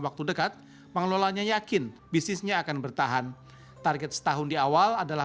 waktu dekat pengelolanya yakin bisnisnya akan bertahan target setahun di awal adalah